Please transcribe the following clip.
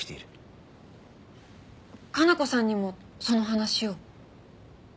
加奈子さんにもその話を？